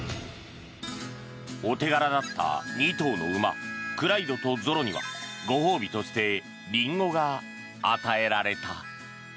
お手柄だった２頭の馬クライドとゾロにはご褒美としてリンゴが与えられた。